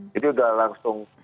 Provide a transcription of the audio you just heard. jadi udah langsung